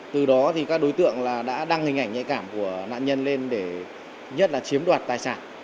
từ đó thì các đối tượng đã đăng hình ảnh nhạy cảm của nạn nhân lên để nhất là chiếm đoạt tài sản